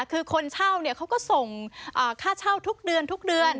คือคนเช่าเขาก็ส่งค่าเช่าทุกเดือนทุกเดือน